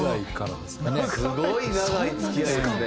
すごい長い付き合いですね。